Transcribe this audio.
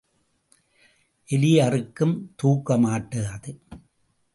எலி அறுக்கும் தூக்க மாட்டாது.